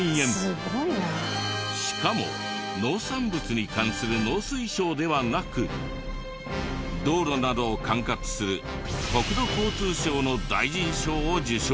しかも農産物に関する農水省ではなく道路などを管轄する国土交通省の大臣賞を受賞した。